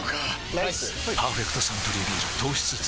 ライス「パーフェクトサントリービール糖質ゼロ」